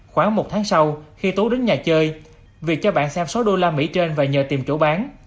khoảng một tháng sau khi tú đến nhà chơi việc cho bạn xem số đô la mỹ trên và nhờ tìm chỗ bán